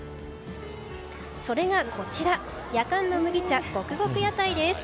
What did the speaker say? それがやかんの麦茶ゴクゴク屋台です。